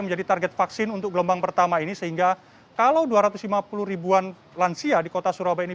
menjadi target vaksin untuk gelombang pertama ini sehingga kalau dua ratus lima puluh ribuan lansia di kota surabaya ini